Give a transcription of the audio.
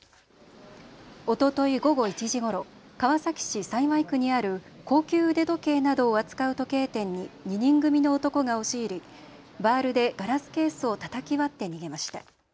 おととい午後１時ごろ、川崎市幸区にある高級腕時計などを扱う時計店に２人組の男が押し入りバールでガラスケースをたたき割って逃げました。